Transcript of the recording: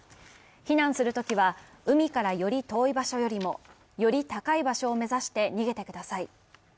避難するときは、海からより遠い場所よりもより高い場所を目指して逃げてください。